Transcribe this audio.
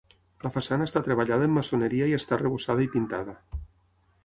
La façana està treballada en maçoneria i està arrebossada i pintada.